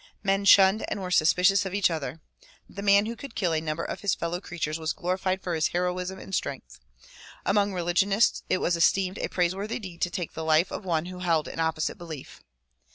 Men shunned and were suspicious of each other. The man who could kill a number of his fellow creatures was glorified for his heroism and strength. Among 116 THE PROMULGATION OF UNIVERSAL PEACE religionists it was esteemed a praiseworthy deed to take the life of one who held an opposite belief.